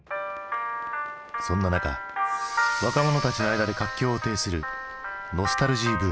そんな中若者たちの間で活況を呈するノスタルジー・ブーム。